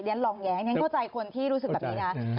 ฉันลองแย้งฉันเข้าใจคนที่รู้สึกแบบนี้นะ